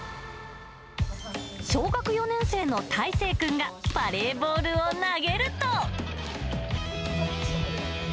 小学４年生のたいせい君が、バレーボールを投げると。